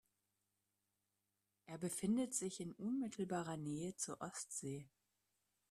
Er befindet sich in unmittelbarer Nähe zur Ostsee.